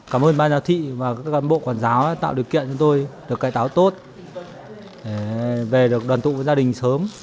cảm ơn ban giáo thị và các ban bộ quản giáo tạo điều kiện cho tôi được cải táo tốt về được đoàn tụ với gia đình sớm